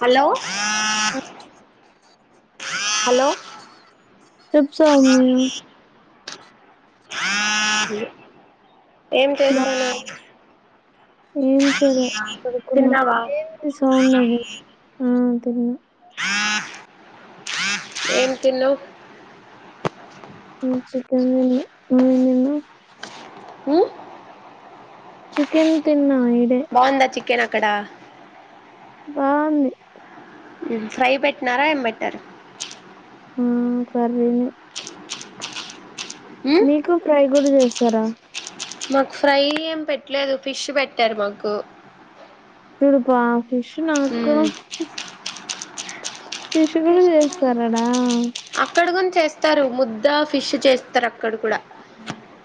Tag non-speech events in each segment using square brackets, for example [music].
Hello అ hello చెప్ సోమ్య ఆ ఏం ఇలా చేస్తనవ్ ఏం చేయలే పడుకున్నా ఎంది సౌండ్ అది ఆ తిన్న ఏం తిన్నవ్ నేను చికెన్ తిన్నా నువ్వేం తిన్నావ్ హు చికెన్ తిన్నా ఈడే బాగుందా చి కేన్ అక్కడ బాగుంది ఫై పెట్నారా ఏం పెట్టారు ఆ కర్రినే ఉమ్ మీకు ఫ్రేయ్ కూడా చేస్తారా మాకు ఫ్రై ఏం పెట్టలేదు ఫిష్ పెట్టారు మాకు తుడుపా ఫిష్ నాకు ఉమ్ ఫిష్ కూడ ల చేసరడా అక్కడ కూడా చేస్తారు ముద్ద ఫిష్ చేస్తారు అక్కడ కూడా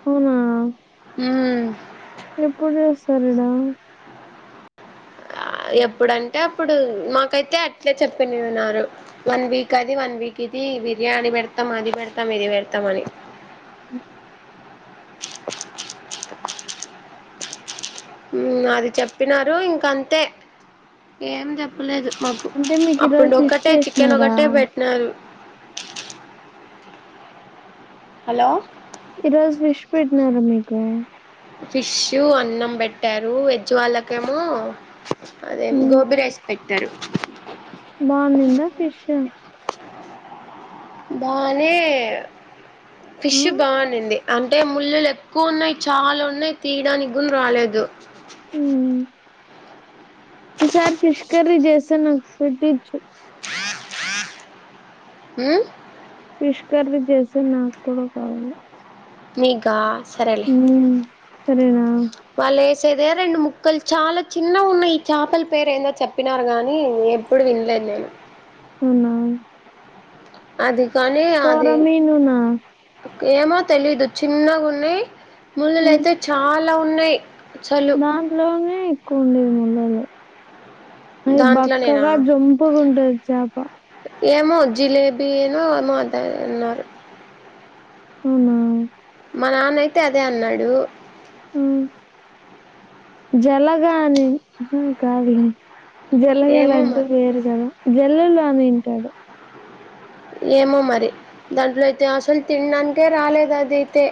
అవునా హు ఎప్పుడు చేస్తారిడా ఆ ఎప్పుడంటే అప్పుడు మాకైతే అట్లే చెప్పిడుండరు వన్ వీక్ అది వన్ వీక్ ఇది బిర్యానీ పెడతాం అది పెడతాం ఇది పెడతాం అని హు అది చెప్పినారు ఇంక అంతే ఏం చెప్పలేదు మాకు అంటే మీకు ఈరోజు అప్పుడు ఫిష్ ఒక్కటే చికెన్ చేసినారా ఒకటే పెట్టినారు హలో ఈరోజు ఫిష్ పెట్టినారు మీకు ఫిష్ అన్నం పెట్టారు వెజ్ వాళ్లకేమో అదే ఉమ్, గోబి రైస్ పెట్టి తేరు బాగునిందా ఫిష్ బా నే ఫిష్ బాగునింది అంటే ముల్లులు ఎక్కువ ఉన్నాయి చాలా ఉన్నాయి తీయడానికి గు రాలేదు ఈ సారి ఫిష్ కర్రీ చేసినా పెట్టిచ్చు ఉమ్ ఫిష్ కర్రీ చేసే నాకు కూడా కావాలి నీకా సరే లే సరే నా వాళ్లే సరే రెండు ముక్కలు చాలా చిన్న ఉన్నాయి ఈ చేపల పేరు ఏందో చెప్పినారు గాని ఎప్పుడు వినలేదు నేను అవునా అది కానీ అది కొరమీను నా ఏమో తెలీదు చిన్నగున్నయ్ మ్మ్. ముల్లులైతే చా అలా ఉన్నాయి దాంట్లోనే ఎక్కువ ఉండేది అది దాంట్లోనేనా బక్కగా జంపుకుంటాది చేప ఏమో జిలేబీనో ఏమో అంటారు అన్నారు ఉమ్మ్ మా నాన్న అయితే అదే అన్నాడు ఉమ్మ్ జలగా అని కావే జలగల ఏమో అంటే మరి వేరు కదా జల్లలు అ [unintelligible] ఏమో మరి దాంట్లో అయితే అసలు తినడానికే రాలేదు అది అయితే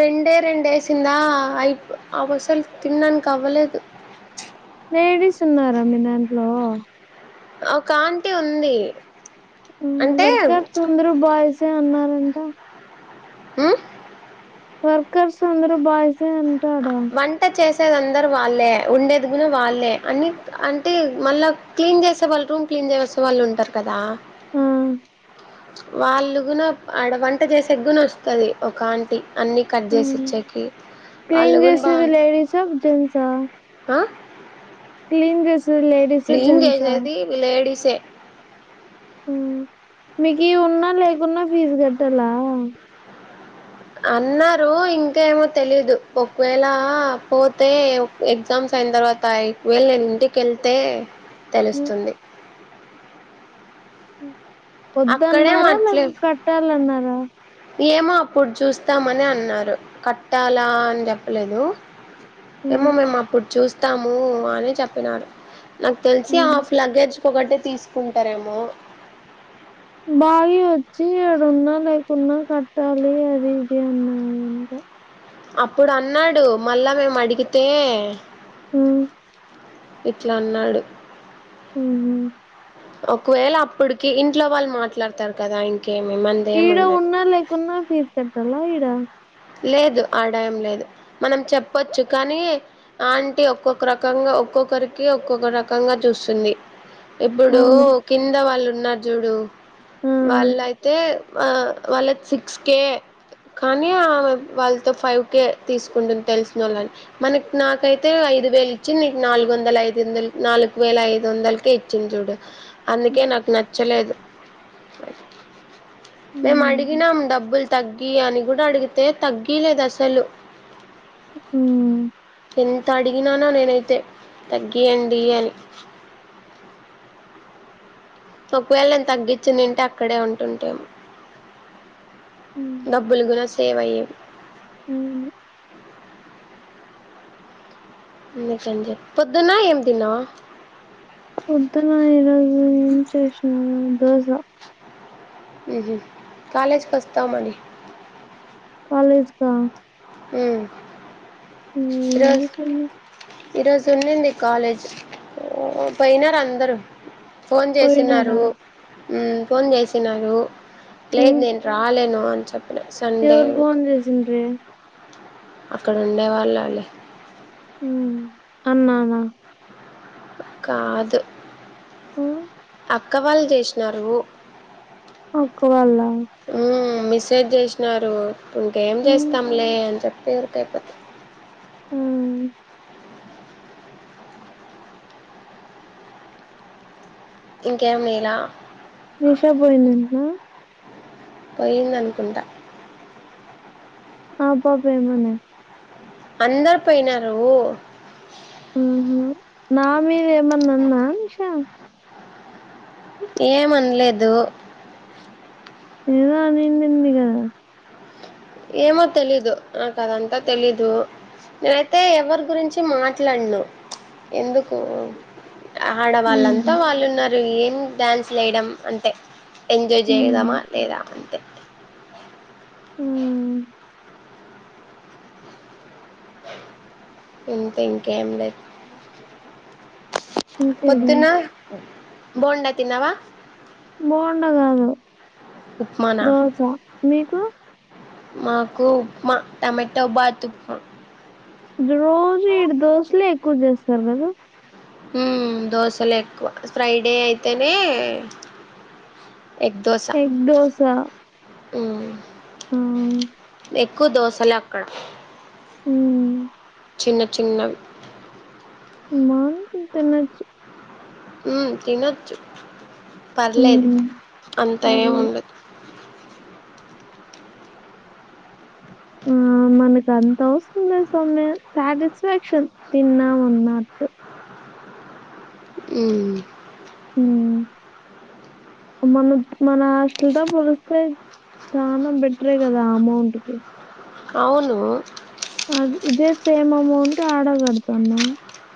రెండే టెన్ డేస్ దా అయి అవసలు తిన్నానికి అవ్వలేదు లేడీస్ ఉన్నారా మీ దాంట్లో ఒక ఆంటీ ఉంది ఉమ్ అంటే వర్కర్స్ అందరు బాయ్స్ ఏ ఉన్నారు ఉంటా ఊ వర్కర్స్ అందరూ బాయ్సే అన్ వంట చేస్ తేది అందరు వాళ్ళే ఉండేది గూను వాళ్ళే అని అంటే మళ్ళా క్లీన్ చేసే వాళ్ళు రూమ్ క్లీన్ చేసే వాళ్ళు ఉంటారు కదా ఆ వాళ్ళు కూడాన ఆడ వంట చేసేదిగున వస్తుది ఒక ఆంటీ అన్ని కట్ చేసి ఇచ్చకి వాళ్ళ గు ది లేడిస్ స జెంట్స్ స ఆ క్లీన్ చే లేడిస్ జెంట్స్ చే మీకు ఉన్నా లేకున్నా ఫీజు కట్టాలా అన్నారు ఇంకాేమో తెలిదు ఒకవేళ పోతే ఎగ్జామ్స్ అయిన తర్వాతవేళ నేను ఇంటికి వెళ్తే హ్మ్ తెలుస్తుంది ఉ అక్కడేమో కొదున్నారా అట్లే నాకు కట్టాలన్నారా ఏమో అప్పుడు చూస్తామని అన్నారు కట్టాలా అని చెప్పలేదు ఏమో హ్మ్ మేం అప్పుడు చూస్త తాము అని చెప్పినాడు నాకు తెలిసి హ్మ్ హాఫ్ లగేజ్కి ఒకటటి తీసుకుంటారేమో బావి వచ్చి ఎక్కడున్నా లేకున్నా కట్టాలి అది ఇది అన్నాంట అప్పుడు అన్నాడు మళ్ళా మేము అడిగితే అ ఇట్లా అన్నాడు ఆ ఒకవేళ అప్పటికి ఇంట్లో వాళ్ళు మాట్లాడతారు కదా ఇ ఈడ ఉన్నా లేకున్నా ఫీజ్ కట్టాలా ఈడ లేదు ఆదాయం లేదు మనం చెప్పచ్చు కానీ ఆంటీ ఒక్కొక్క రకంగా ఒక్కొక్కరికి ఒక్కొక్క రకంగా చూస్తుంది ఇప్పుడు అవును కింద వాళ్ళు ఉన్న జుడు ఆ వాళ్ళ అయితే వాళ్ళ సిక్స్ కే కానీ వాళ్ళతో ఫైవ్ కే తీసుకుంటుంది తెలిసిన వాళ్ళని మనకి నాకైతే ఐదు వేలు ఇచ్చింది నీకు నాలుగు వందల ఐదు వందల నాలుగు వేల ఐదు వందలకే ఇచ్చింది చూడు అందుకే నాకు నచ్చలేదు మేము హ్మ్ అడిగినాం డబ్బులు తగ్గి అని కూడాడ అడిగి అయితే తగ్గలేదు అసలు అ ఈననా నేనైతే తగ్గియండి అని ఒకవేళ ఏం తగ్గించి తింటే అక్కడే ఉంటుంటాము హ్మ్. డబ్బులుగునే సేవ అవును. కజ పొద్దున్న ఏం తన్నావా వొద్దున ఈరోోజు ఏం చేసినారు దోస కాలేజీకి వస్తా మరి కాలేజ్ కా హ్మ్మ్ ఇరోజ ఏమో సంగతి. ఇరోజ ంది కాలేజ్ పోయినారు అందరు ఫోన్ పోయినారా? చేసన్నారు ఫోన్ చేసినారు లేదు హ్మ్. నేను రాలేను అ చెప్ప ఎవరు ఫోన్ చేసిండ్రు అక్కడ ఉండే వాళ్ళాలి హ్మ్మ్ అన్నా అన్నా కాదు ఆ అక్కవాళ్ళు చేసినారు అక్కవళా మిసేజ్ చేసినారు ఇప్పుడు ఇంకేం హ్మ్. చేస్తాంలే అని చెప్పి ఎరికైపోత ఆ! ఇంకేం నలా నిషా పోయిందంట పోయిందనుకుంటా ఆ పాప ఏమన్నా అందరు పోయినారు ఆహ నా మీద ఏమన్నాన్నా నిషా ఏమనలేదు ఏదో అనిడింది కదా ఏమో తెలీదు నాకు అదంతా తెలీదు నేనైతే ఎవరి గురించి మాట్లాడను ఎందుకు ఆడవాళ్ళంతా హ్మ్. వాళ్ళు ఉన్నారు రు ఏం డ్యాన్స్ లేయడం అంతే ఎంజాయ్ హ్మ్. చేయదామా లేదా అంతే హ్మ్మ్ ఇంతే ఇంకేం లేదు ఇంకేమి? పొద్దున బోండా తినావా బోండా కాదు ఉప్మానా దోస మీకు మాకు ఉప్మా టమాటా బాత్ ఉప్మా రోజు ఇక దోసలే కు ఎక్కువ చేస్తారు కదా హ్మ్మ్ దోశలు ఎక్కువ ఫ్రైడే అయితేనే ఎగ్ దోస ఉ మ్మ్ ఎక్కువ దోశలు అక్కడ హ్మ్మ్ చిన్న చిన్న వి మా తినొచ్చు ఉ తినొచ్చు పర్లేదు ఉమ్, అంత ఎం పర్లేదు ఉండదు ఆ మనకు అంత అవశరం లేదు సామీ సాటిస్ఫాక్షన్ తిన్నామ్ అన్నట్టు మ్మ్ మ్మ్ మన మన హాస్టల్తో పొలిస్తే చాలా బెటరే కదా ఆ అమౌంట్ కి అవును అ ఇదే సేమ్ అమౌంట్ ఆడగడతాన్నామ్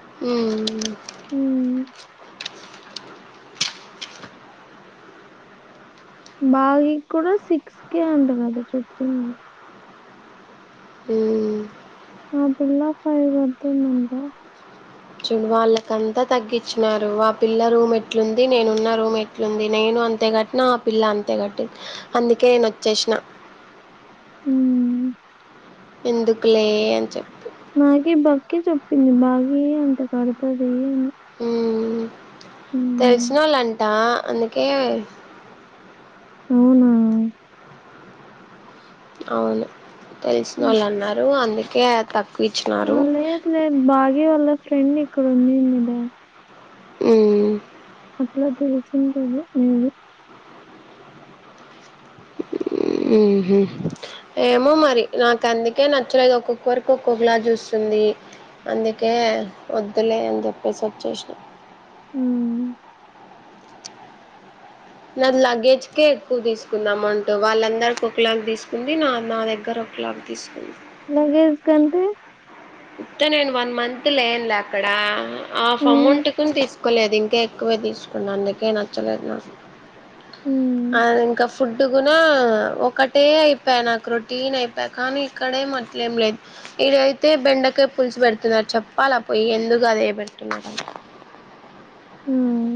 ఉమ్ మ్మ్ బాగి కి కూడా సిక్స్ కే అంట కదా చెపింది హ్మ్మ్ ఆ పిల్ల ఫై కడతుంది అంట చూడు వాళ్ళకంతా తగ్గిచ్చినారు వా పిల్ల రూమ్ ఎట్లుంది నేనున్న రూమ్ ఎట్లుంది నేను అంతే గట్టిన ఆ పిల్ల అంత తే కట్టింది అందుకే నా చేష్ణ మ్మ్ ఎందుకులే అని చెప్పి నాకి బకి చెప్పింది బాగి అంత కడతుది అని హ్మ్మ్ హ్మ్. తెలిసినోళ్లు అంట అందుకే మ్మ్ అవును హ్మ్. తెలిసినోళ్ళు అన్నారు అందు కేే తక్ ఆ లేద్ లేద్ బాగే వాళ్ళ ఫ్రెండ్ ఇక్కడ ఉన్నింది డే హ్మ్ అట్లా తెలిసింటంది మేబీ ఏమో మరి నాకు అందుకే నచ్చలేదు ఒక్కొక్కరికు ఒక్కొక్కలా చూస్తుంది అందుకే వద్దులే అని చెప్పేసి వచ్చేసిన హ్మ్ నా లగేజ్కే ఎక్కువ దీసుకుంది అమౌంట్ వాళ్ళందరికి ఒకలాగ తీసుకుంది నా నా దగ్గర ఒకలాగ తీసుకుంది. లగేజ్ కంటే ఇత్త నేను వన్ మంత్ లేన్ లే అక్కడ ఆఫ్ హ్మ్, అమౌంట్ కుని తీసుకోలేదు ఇంకా ఎ క్కువే దీస్ [unintelligible] అందుకే నచ్చలేదు నా హ్మ్, అది ఇంకా ఫుడ్డు గునా ఒకటే అయిపోయా నాకు రొటీన్ అయిపోయా కానీ ఇక్కడే మట్లేం లేదు ఇడైతే బెండకే పులుసు పెడుతున్నారు చెప్పాలా పోయి ఎందుకు అదే పెడుతున్నారు అని హ్మ్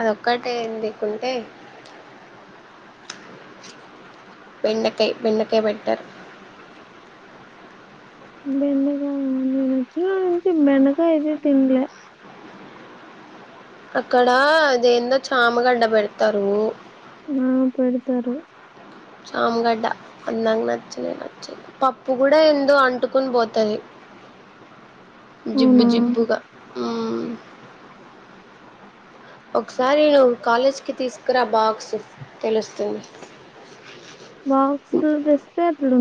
అదొక్కటేందికుంటే బెండకాయ బెండకాయ పెట్టారు బెండకాయ నేను వచ్చనవునుంచి బెండకాయ అయితే తినలే అక్కడ అదే ఏందో చామగడ్డ పెడతారు నా పెడతారు సాము గడ్డ అద్ నాకు నచ్చనే నచ్చదు పప్పు గూడా ఏందో అంటుకుని పోతది జిబ్బు అవునా జిబ్బుగా హ్మ్ ఒకసారి నువ్వు కాలేజ్ కి తీసుకురా బాక్స్ తెలుస్తుంది బాక్స్లు తెస్తే ఎట్లు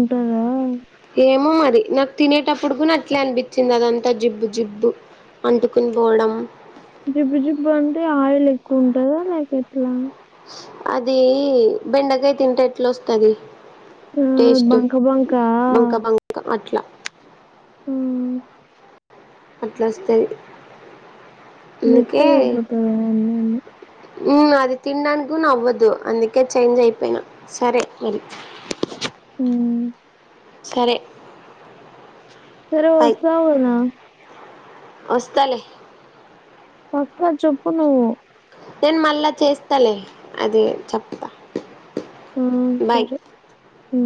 ఏమో మరి నాకు తినేటప్పుడు కూడా అట్లే అనిపించింది అదంతా జిబ్బు జిబ్బు అంటుకుని పోవడం జిబ్బు జిబ్బు అంటే ఆయిల్ ఎక్కువ ఉంటదా లేక ఎట్లా అది బెండకాయ తింటే ఎట్లొస్తది ఆ బంక బంకా బంక బంక అట్లా హ్మ్ అట్లొస్తది మెత్తగా అయిపోతది అన్నేమో హ్మ్ అది తినడానికి అవ్వద్దు అందుకే చేంజ్ అయిపోయినా సరే మరి హ్మ్ సరే సరే బాయ్ వస్తావు గదా వస్తాలే పక్కా చొప్పు నువ్వు నేను మళ్ళా చేస్తాలే అది చెప్తా ఉ బాయ్ సరే ఉ